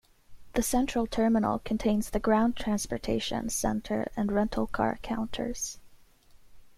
The Central Terminal contains the ground transportation center and rental car counters.